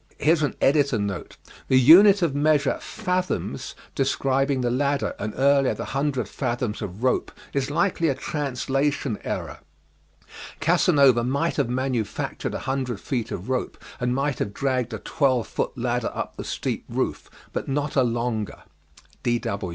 [The unit of measure: 'fathoms' describing the ladder and earlier the 100 fathoms of rope, is likely a translation error: Casanova might have manufactured 100 feet of rope and might have dragged a 12 foot ladder up the steep roof, but not a longer.